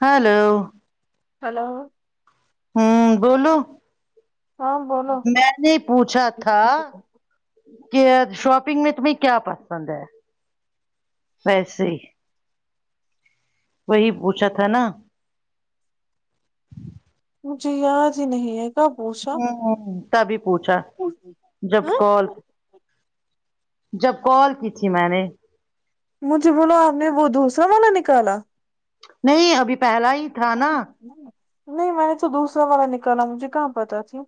hello hello ہوں بولو ہاں بولو میں نے پوچھا تھا کہ شاپنگ میں تمہیں کیا پسند ہے ویسے ہی وہی پوچھا تھا نا مجھے یاد ہی نہیں ہے کب پوچھا ت بھی پوچھا جب ہاں کال جب کال کی تھی میں نے مجھے بولو آپ نے وہ دوسرا والا نکالا نہیں ابھی پہلا ہی تھا نا نہیں میں نے تو دوسرا والا نکالا مجھے کہاں پتاہ تھی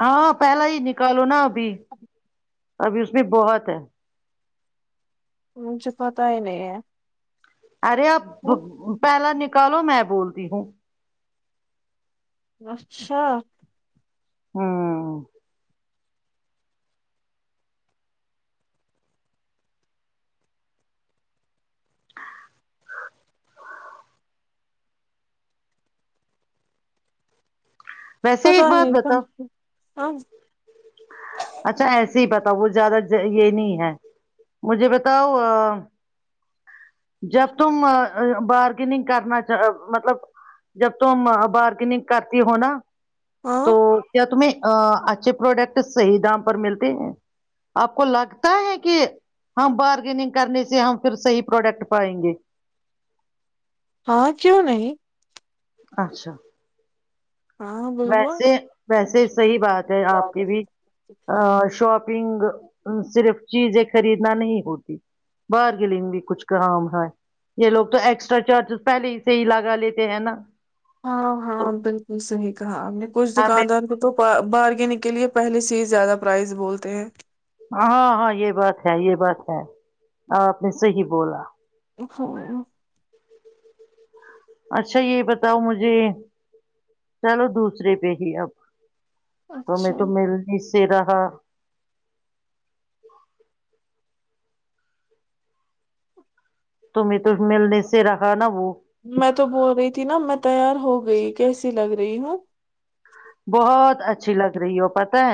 ہاں پہلا ہی نکالو نا ابھی ابھی اس میں بہت ہے مجھے پتہ ہی نہیں ہے ارے اب پہلا نکالو میں بول پ ہوں اچھا ہاں ویسے ہی ایک پتا بات نہیں بتاؤ ہاں اچھا ایسے ہی بتاؤ وہ زیادہ یہ نہیں ہے مجھے بتاؤ جب تم بارگیننگ کرنا چ مطلب جب تم بارگیننگ کرتی ہو نا ہاں تو کیا تمیں اچھے پروڈکٹ صحیح دام پر ملتے ہیں آپ کو لگتا ہے کہ ہم بارگیننگ کرنے سے ہم پھر صحیح پروڈکٹ پائیں گے ہاں کیوں نہیں اچھا ہاں بالکل ویسے ویسے صحی بات ہے آپ کی بھی شاپ شگ صرف چیزیں خریدنا نہیں ہوتی بارگیننگ بھی کچھ کام ہے یہ لوگ تو ایکسٹرا چارجز پہلے ہی سے ہی لگا لیتے ہیں نا ہاں ہاں تو بالکل صحی کہاں ہم نے کچھ ہمیں دکاندار کو تو بارگینگ کے لیے پہلے سے ہی زیادہ پرائز بولتے ہیں ہاں ہاں یہ بات ہے یہ بات ہے آپ نے صحی بولا ہو اچھا یہ بتاؤ مجھے چلو دوسرے پہ ہی اب تو میں اچھا تو مل چید ہا تمیں تو ملنے سے رکھا نا وہ میں تو بول رہی تھی نا میں تیار ہو گئی کیسی لگ رہی ہوں بہت اچھا اچھی لگ رہی ہو پت ہے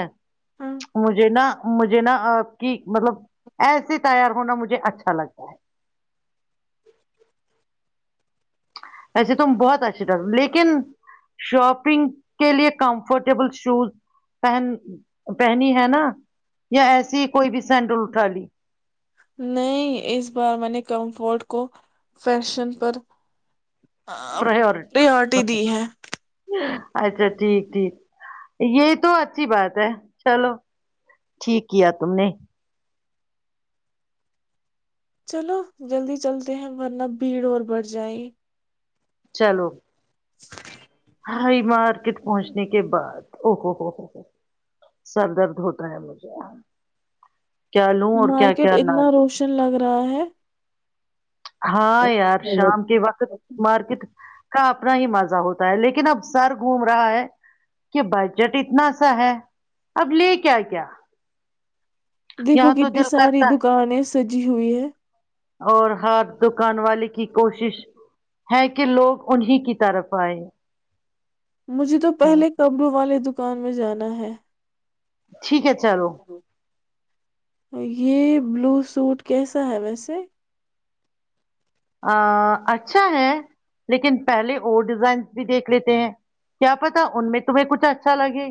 ہاں مجھے نا مجھے نا کہ مطلب ایسے تیار ہونا مجھے اچھا لگتا ہے ایسے تم بہت اچھا ڈال لیکن شاپنگ کے لیے کمفرٹیبل شوز پہن پہنی ہے نا یا ایسی ہی کوئی بھی سینڈل اٹھا لی نہیں اس بار میں نے کمفورٹ کو فیشن پر پرورٹی پریورٹی دی ہے اچھا ٹھیک ٹھیک یہ تو اچھی بات ہے چلو ٹھیک کیا تم نے چلو جلدی چلتے ہیں ورنہ بھیڑ اور بڑھ جائے چلو السلام علیکم محترم ہائی مارکیٹ پہنچنے کے بعد او ہوو ہو ہو ہو سر درد ہوتا ہے مجھے کیا لوں اور کیا مارکیٹ کیا نہ اتنا لوں روشن لگ رہا ہے ہاں یار شام کے وقت مارکیٹ کا اپنا ہی مزہ ہوتا ہے لیکن اب سر گھوم رہا ہے کہ بججٹ اتنا سا ہے اب لے کیا کیا دیکھو یہاں تو کتنی دل ساری کرتا دکانیں سجی ہوئی ہیں ہار دکان والی کی کوشش ہیں کہ لوگ انہیں کی طرف آئے مجھے تو پہلے قبروں والے دک دکان میں جانا ہے ٹھیک ہے چلو یہ بلو سوٹ کیسا ہے ویسے ا اچھا ہے لیکن پہلے وہ ڈیزائن بھی دیکھ لیتے ہیں کیا پتا ان میں تمہیں کچھ اچھا لگے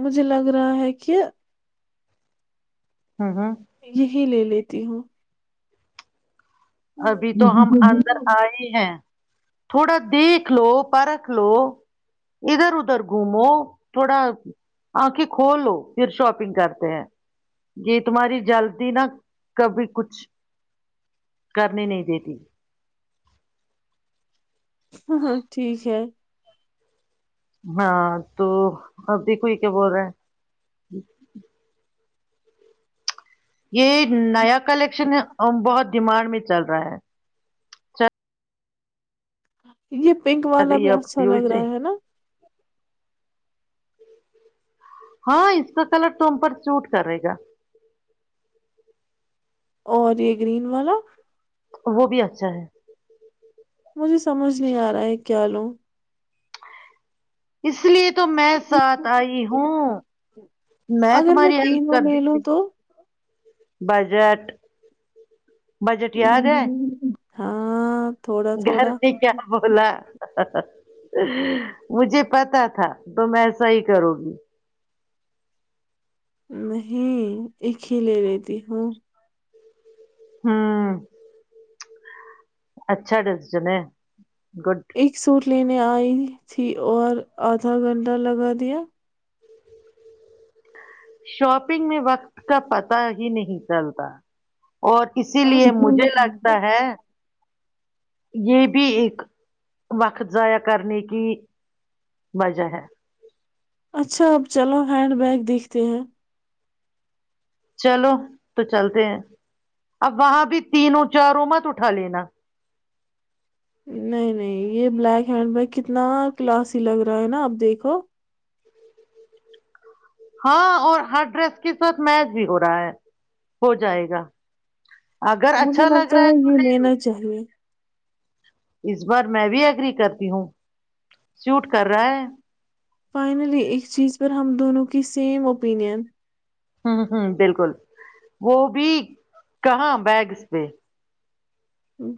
مجھے لگ رہا ہے کہ ہاں ہاں ہی لے لیتی ہوں ابھی تو ہم اندر آئے ہیں تھوڑا دیکھ لو پرکھ لو ادھر ادھر گھومو تھوڑا آنکھیں کھ لو پھر شاپنگ کرتے ہیں یہ تمہاری جلدی نہا کبھی کچھ کرنی نہیں دیتی ہاں ہاں ٹھیک ہے ہاں تو اب بھی کوئی کیا بول رہے ہیں یہ نیا کلیکشن ہے بہت ڈمانڈ میں چل رہا ہے [unintelligible] یہ پنک اگر والا بھی یہ اب اچھا یو لگ سے رہا ہے نا ہاں اس کا کلر توم پر سوٹ کرے گا اور یہ گرین والا وہ بھی اچھا ہے مجھے سمجھ نہیں آ رہا ہے کیا لوں اس لیے تو میں ساتھ آئی ہوں میں اگر تمہاری ہیلپ تینوں کر لے دیتی لوں ہ تو بجٹ بجٹ یاد ہے [unintelligible] ہاں تھوڑا گھر تھوڑا سے کیا بولا مجھے پتا تھا تو ایسا ہی کرو گی نہیں ایک ہی لے لیتی ہوں ہاں اچھا ڈس ج میں ایک سور لینے آئی تھی اور آدھا گھنٹہ لگا دیا شاپنگ میں وقت کا پتہ ہی نہیں چلتا اور اسی لیے مجھے لگتا ہے یہ بھی ایک وقت ضائع کرنے کی وجہ ہے اچھا اپ چلو ہینڈ بیگ دیکھتے ہیں چلو تو چلتے ہیں اب وہاں بھی تینوں چار ا مت اٹھا لینا نہیں نہیں یہ بلیک ہینڈ و کتنا کلاسی لگ رہا ہے نا اپ دیکھو ہاں اور ہر ڈریس کے ساتھ میچ بھی ہو رہا ہے ہو جائے گا اگر مجھے اچھا لگ لگتا رہا ہے تو یہ لے لو لینا چاہیے ب میں بھی ایگری کرتی ہوں سوٹ کر رہا ہے فائنلی اس چیز پر ہم دونوں کی سیم اوپینین ہ ہوں بالکل وہ بھی کہاں بیگ اس پہ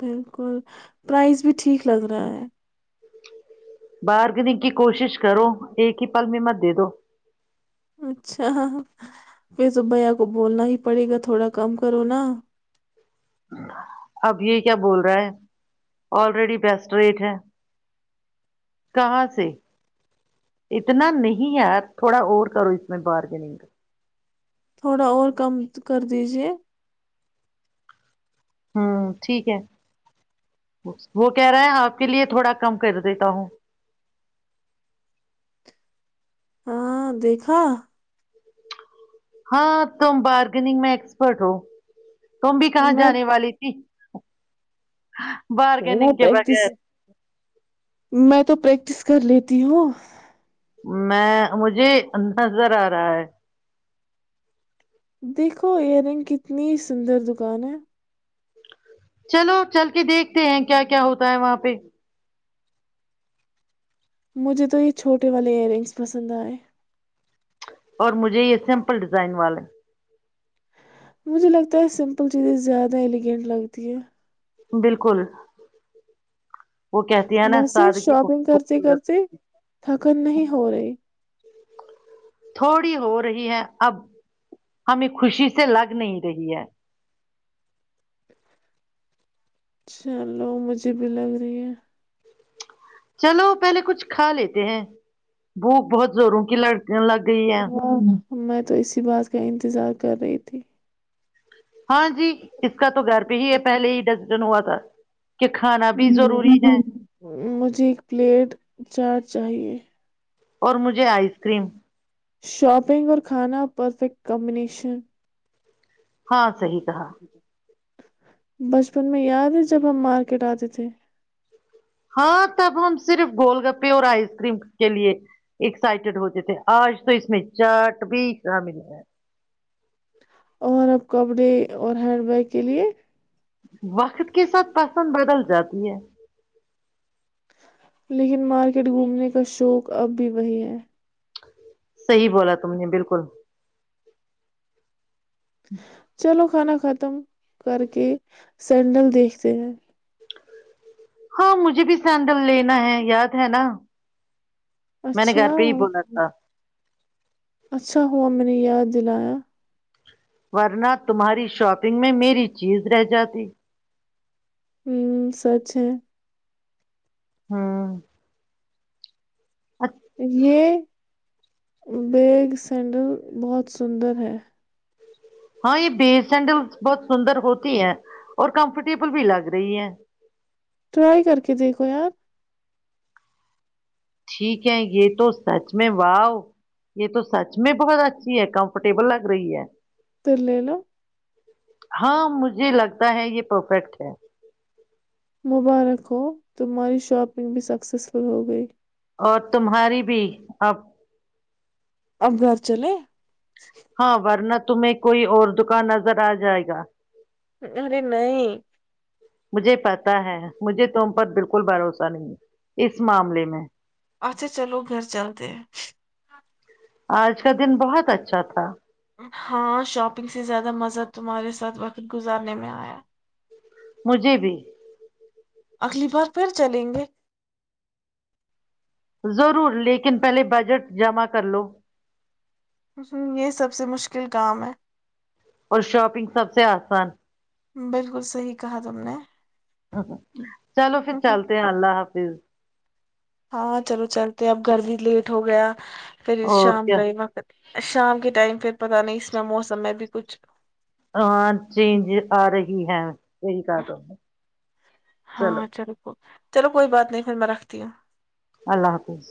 بالکل پرائز بھی ٹھیک لگ رہا ہے باہر کے د کی کوشش کرو ایک ہی پل م مدے دو اچھا پھر تو بھیا کو بولنا ہی پڑے گا تھوڑا کم کرو نا اب یہ کیا بول رہا ہے آلریڈی بیسٹ ریٹ ہے کہاں سے اتنا نہیں ہے تھوڑا اور کرو اس میں بارگننگ تھوڑا اور کم کر دیجے ہوں ٹھیک ہے وہ کہہ رہا ہیں آپ کے لیے تھوڑا کم کر دیتا ہوں ہاں دیکھا ہاں تم بارگگ میں ایکسپرٹ ہو تم بھی کہاں میں جانے والی تھی بارگیننگ کے پریکٹس بغیر میں تو پریک پٹس کر لیتی ہو میں مجھے نظر آ رہا ہے دیکھو ایئر رنگ کتنی سندر دکان ہے چلو چل کے دیکھتے ہیں کیا کیا ہوتا ہے وہاں پہ مجھے تو یہ چھوٹے والے ائیر رنگز پسند آئے اور مجھے یہ سمپل ڈیزائن والے مجھے لگتا ہے سمپل چیزیں زیادہ ایلیگینٹ لگتی ہیں بالکل وہ کہتی ہے نا ویسے سادگی بہت شاپنگ کرتے خوبصورت کرتے تھکن نہیں ہو رہے تھوڑی ہو رہی ہے اب ہمیں خوشی سے لگ نہیں رہی ہے چلو مجھے بھی لگ رہی ہے چلو پہلے کچھ کھا لیتے ہیں بھوک بہت زوروں کی لڑک لگ گئی ہے ہ میں تو اسی بات کا انتظار کر رہی تھی ہاں جی اس کا تو گھر پہ ہی ہے پہلے ہی ڈ جن ہوا تھا کہ کھانا بھی ضروری ہے مجھے ایک پلیٹ چار چاہیے اور مجھے آئس کریم شاپنگ اور کھانا پرفیکٹ کمبینیشن ہاں صحی کہا بچپن میں یاد ہے جب ہم مارکیٹ آتے تھے ہاں تب ہم صرف گول گپے اور آئس کریم کے لیے ایکسائٹیڈ ہوتے تھے آج تو اس میں چاٹ بھی شامل ہے اور اب کپڑے اور ہینڈ بیگ کے لیے وقت کے ساتھ پسند بدل جاتی ہے لیکن مارکیٹ گھومنے کا شوق اب بھی وہی ہے صحی بولا تم نے بالکل چلو کھانا ختم کر کے سینڈل دیکھتے ہیں ہاں مجھے بھی سینڈل لینا ہے یاد ہے نا میں نے اچھا گھر پہ ہی بولا تھا اچھا ہوا میں نے یاد دلایا ورنہ تمہاری شاپنگ میں میری چیز رہ جاتی ہوں سچ ہے ہاں یہ بیگ سینڈل بہت سندر ہے ہاں یہ بی سینڈل بہت سندر ہوتی ہے اور کمفرٹیبل بھی لگ رہی ہے ٹرائی کر کے دیکھو یار ٹھیک ہے یہ تو سچ میں واؤ یہ تو سچ میں بہت اچھی ہے کمفرٹیبل لگ رہی ہے ترل ل ہاں مجھے لگتا ہے یہ پرفیکٹ ہے مبارک ہو تمہاری شاپنگ بھی سکسیزفل ہو گئی اور تمہاری بھی اب اب گھر چلے ہاں ورنت تمہیں کوئی اور دکان نظر آ جائے گا ارے نہیں مجھے پتا ہے مجھے تم پر بالکل بھروسہ نہیں اس معاملے میں اچھا چلو گھر چلتے ہیں آج کا دن بہت اچھا تھا ہاں شاپنگ سے زیادہ مزہ تمہارے ساتھ وقت گزارنے میں آیا مجھے بھی اگلی بار پھر چلیں گے ضرور لیکن پہلے بجٹ جمع کر لو یہ سب سے مشکل کام ہے اور شاپنگ سب سے آسان بالکل صحیح کہا تم نے ہ چلو پھر چلتے ہیں اللہ حافظ ہاں چلو چلتے اب گھر بھی لیٹ ہو گیا کرری اور شام کیا کئی وقت شام کے ٹائم پھر پتہ نہیں اس میں موسم میں بھی کچھ ہاں چینج آ رہی ہے یہی کر دا چلو ہاں کو- چلو کوئی بات نہیں پھر میں رکھتی ہوں اللہ حافظ